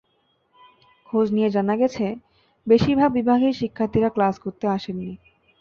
খোঁজ নিয়ে জানা গেছে, বেশির ভাগ বিভাগেই শিক্ষার্থীরা ক্লাস করতে আসেননি।